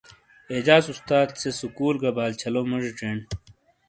اعجاد استار سے سکول گہ بال چھلو موجی چینڈ۔